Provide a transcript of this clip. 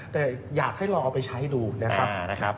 แต่อยากให้ลองเอาไปใช้ดูนะครับ